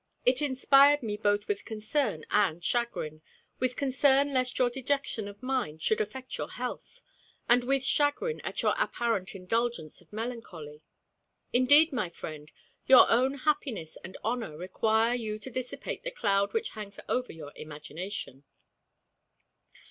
It inspired me both with concern and chagrin with concern lest your dejection of mind should affect your health, and with chagrin at your apparent indulgence of melancholy. Indeed, my friend, your own happiness and honor require you to dissipate the cloud which hangs over your imagination.